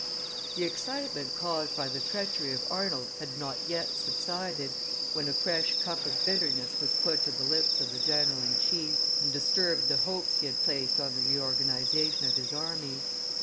The excitement caused by the treachery of Arnold had not yet subsided, when a fresh cup of bitterness was put to the lips of the general in chief, and disturbed the hopes he had placed on the reorganization of his army.